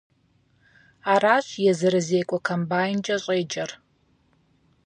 Аращ езырызекӀуэ комбайнкӀэ щӀеджэр.